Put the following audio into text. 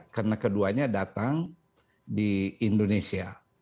karena keduanya datang di indonesia